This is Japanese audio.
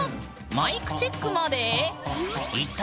マイクチェックまで？